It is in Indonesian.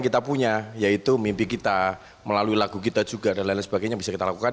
kita punya yaitu mimpi kita melalui lagu kita juga dan lain lain sebagainya bisa kita lakukan